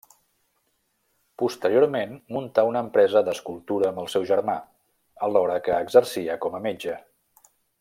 Posteriorment muntà una empresa d'escultura amb el seu germà, alhora que exercia com a metge.